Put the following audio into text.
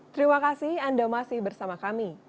terima kasih anda masih bersama kami